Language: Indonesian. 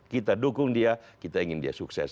kita dukung dia kita ingin dia sukses